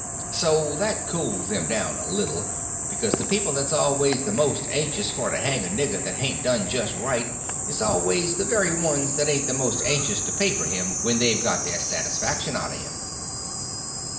So that cooled them down a little, because the people that's always the most anxious for to hang a nigger that hain't done just right is always the very ones that ain't the most anxious to pay for him when they've got their satisfaction out of him.